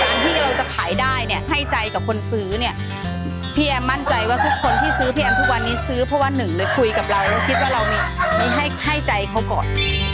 ที่เราจะขายได้เนี่ยให้ใจกับคนซื้อเนี่ยพี่แอมมั่นใจว่าทุกคนที่ซื้อพี่แอมทุกวันนี้ซื้อเพราะว่าหนึ่งเลยคุยกับเราแล้วคิดว่าเราไม่ให้ใจเขาก่อน